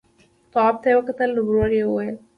تواب ته يې وکتل، ورو يې وويل: